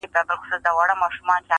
له ورک یوسفه تعبیرونه غوښتل!